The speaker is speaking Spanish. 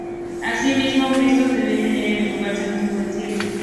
Asimismo Cristo debía entrar en el Lugar Santísimo del cielo.